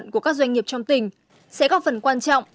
các doanh nghiệp trong tỉnh sẽ góp phần quan trọng